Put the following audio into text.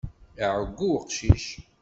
Iɛeyyu uqcic.